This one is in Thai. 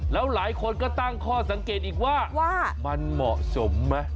แล้วหลายคนก็ตั้งข้อสังเกตอีกว่ามันเหมาะสมไหม